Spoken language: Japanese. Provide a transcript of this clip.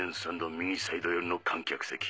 右サイド寄りの観客席。